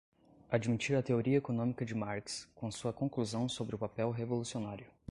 admitir a teoria econômica de Marx, com sua conclusão sobre o papel revolucionário